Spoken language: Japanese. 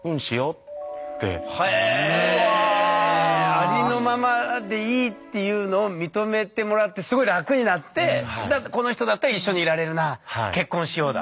ありのままでいいっていうのを認めてもらってすごい楽になって「この人だったら一緒にいられるなぁ結婚しよう」だ。